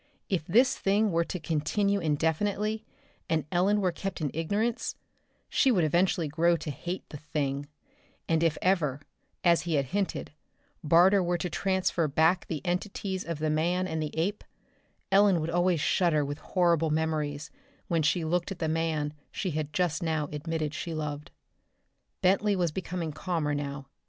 If this thing were to continue indefinitely, and Ellen were kept in ignorance, she would eventually grow to hate the "thing" and if ever, as he had hinted, Barter were to transfer back the entities of the man and the ape, Ellen would always shudder with horrible memories when she looked at the man she had just now admitted she loved. Bentley was becoming calmer now.